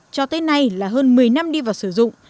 cho tới nay là hơn một mươi năm đi vào sử dụng